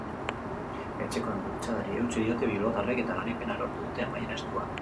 Etxekoen bultzadari eutsi diote bilbotarrek eta garaipena lortu dute amaiera estuan.